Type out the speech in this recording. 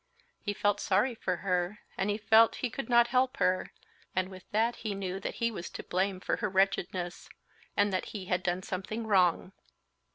He felt sorry for her, and he felt he could not help her, and with that he knew that he was to blame for her wretchedness, and that he had done something wrong.